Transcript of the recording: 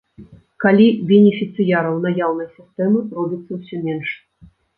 Калі бенефіцыяраў наяўнай сістэмы робіцца ўсё менш.